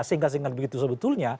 sehingga sehingga begitu sebetulnya